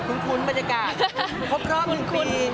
เหมือนแบบคุ้นบรรยากาศครบครอบหนึ่งปี